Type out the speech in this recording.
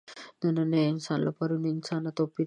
نننی انسان له پروني انسانه توپیر لري.